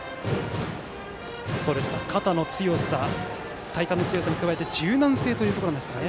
肩の強さ体幹の強さに加えて柔軟性というところですね。